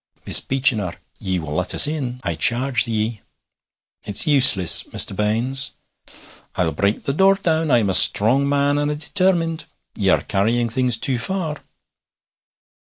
'Miss Beechinor, ye will let us in I charge ye.' 'It's useless, Mr. Baines.' 'I'll break the door down. I'm a strong man, and a determined. Ye are carrying things too far.'